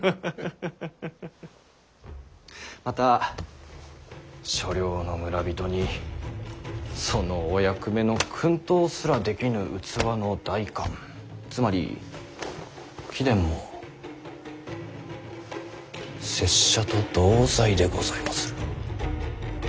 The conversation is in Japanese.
また所領の村人にそのお役目の薫陶すらできぬ器の代官つまり貴殿も拙者と同罪でございまする。